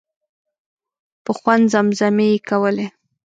په خوند زمزمې یې کولې.